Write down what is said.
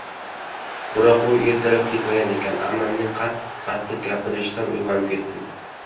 Biroq u ertalab ketmagan ekan. Ammamning qattiq-qattiq gapirishidan uyg‘onib ketdim.